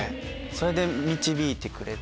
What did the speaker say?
それで導いてくれて。